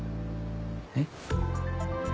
えっ？